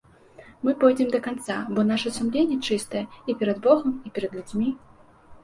Мы пойдзем да канца, бо наша сумленне чыстае і перад богам, і перад людзьмі.